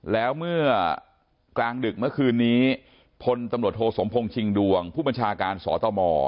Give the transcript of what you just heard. แล้วเมื่อกลางดึกเมื่อคืนนี้พลตำรวจโทสมพงษ์ชิงดวงผู้บัญชาการสตม